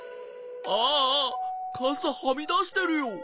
ああかさはみだしてるよ。